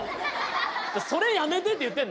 それやめてよ。